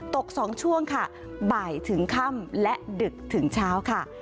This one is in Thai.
ตก๒ช่วงค่ะบ่ายถึงค่ำและดึกถึงเช้าค่ะ